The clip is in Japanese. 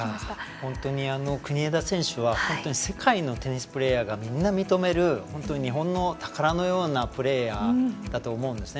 本当に国枝選手は世界のテニスプレーヤーがみんな認める本当に日本の宝のようなプレーヤーだと思うんですね。